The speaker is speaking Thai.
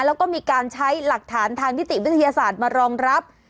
แล้วก็มีการใช้หลักฐานทางนิติวิทยาศาสตร์มารองรับ